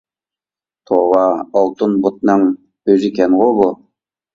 توۋا، ئالتۇن بۇتنىڭ ئۆزىكەنغۇ بۇ؟ !